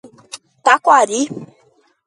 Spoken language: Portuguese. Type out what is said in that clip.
Taquari